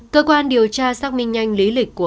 cơ quan điều tra xác minh nhanh lý lịch của